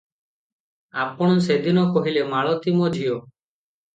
ଆପଣ ସେ ଦିନ କହିଲେ, ମାଳତୀ ମୋ ଝିଅ ।